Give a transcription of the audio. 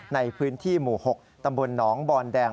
ในพื้นที่หมู่๖ตำบลหนองบอนแดง